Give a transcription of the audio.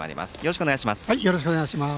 よろしくお願いします。